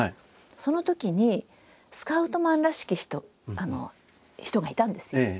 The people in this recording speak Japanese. そのときにスカウトマンらしき人がいたんですよ。